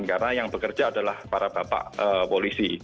karena yang bekerja adalah para bapak polisi